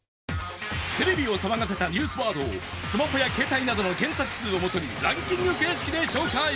テレビを騒がせたニュースワードをスマホや携帯などの検索数を基にランキング形式で紹介。